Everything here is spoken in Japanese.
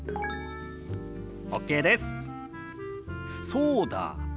そうだ。